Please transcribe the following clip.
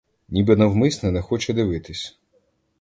Ніби навмисне не хоче дивитись!